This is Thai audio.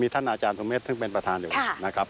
ท่านอาจารย์สุเมฆซึ่งเป็นประธานอยู่นะครับ